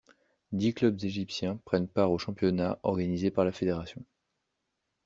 Dix clubs égyptiens prennent part au championnat organisé par la fédération.